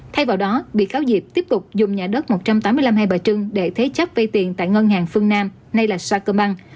thay vào đó bị cáo diệp tiếp tục dùng nhà đất một trăm tám mươi năm hai bà trưng để thế chấp vay tiền tại ngân hàng phương nam nay là sakerma